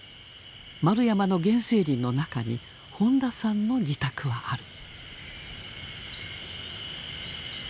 円山の原生林の中に本田さんの自宅はある。